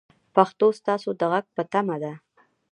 پښتو ستاسو د غږ په تمه ده.